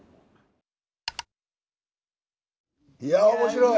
いや面白い。